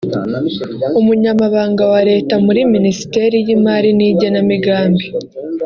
Umunyamabanga wa Leta muri Minisiteri y’imari n’igenamigambi